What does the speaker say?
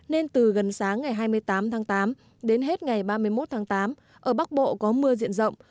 nên từ gần sáng ngày hai mươi tám tháng tám đến hết ngày ba mươi một tháng tám ở bắc bộ có mưa diện rộng